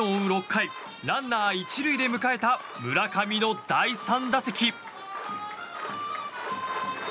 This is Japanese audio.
６回、ランナー１塁で迎えた村上の第３打席。